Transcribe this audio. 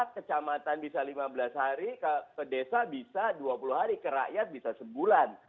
kecamatan bisa lima belas hari ke desa bisa dua puluh hari ke rakyat bisa sebulan